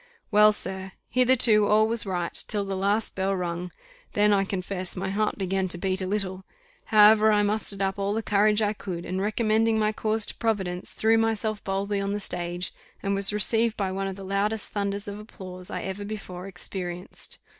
Well, sir, hitherto all was right, till the last bell rung; then, I confess, my heart began to beat a little: however, I mustered up all the courage I could, and recommending my cause to Providence, threw myself boldly on the stage, and was received by one of the loudest thunders of applause I ever before experienced.